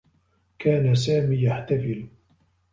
كان سامي يحتفل.